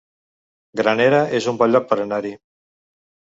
Granera es un bon lloc per anar-hi